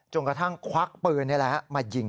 กระทั่งควักปืนมายิง